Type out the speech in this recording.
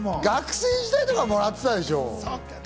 学生時代とかはもらってたでしょう。